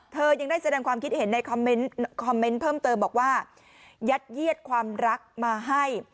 ยังได้แสดงความคิดเห็นในคอมเมนต์เพิ่มเติมบอกว่ายัดเยียดความรักมาให้